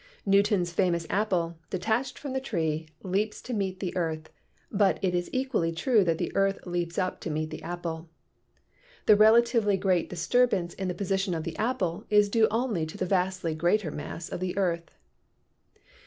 Newton's famous apple, detached from the tree, leaps to meet the earth ; but it is equally true that the earth leaps up to meet the apple. The relatively great disturb 28 PHYSICS ance in the position of the apple is due only to the vastly greater mass of the earth.